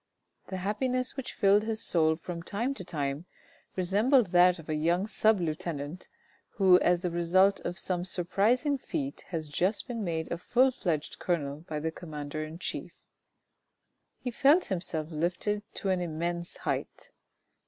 The happiness which filled his soul from time to time resembled that of a young sub lieutenant who as the result of some surprising feat has just been made a full fledged colonel by the commander in chief; he felt himself lifted up to an immense height.